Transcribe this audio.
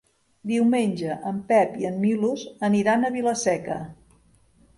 Diumenge en Pep i en Milos aniran a Vila-seca.